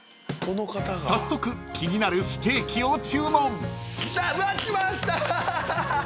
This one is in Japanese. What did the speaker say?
［早速気になるステーキを注文］来ました！